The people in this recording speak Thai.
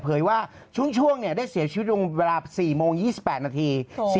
ว่าช่วงได้เสียชีวิตลงเวลา๔โมง๒๘นาที